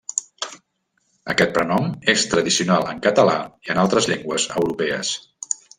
Aquest prenom és tradicional en català i en altres llengües europees.